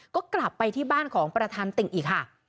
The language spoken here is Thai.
ก็กลับไปที่บ้านของประธานติ่งอีกค่ะ